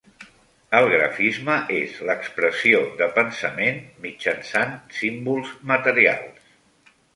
El grafisme és l'expressió de pensament mitjançant símbols materials